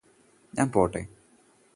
ഞാന് പോട്ടേ